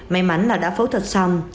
may mắn là đã phẫu thuật xong